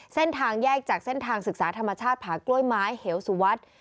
เส้นทางแยกจากเส้นทางศึกษาธรรมชาติผากล้วยไม้เหวสุวัสดิ์